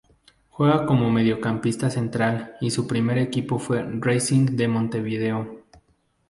Juega como mediocampista central y su primer equipo fue Racing de Montevideo.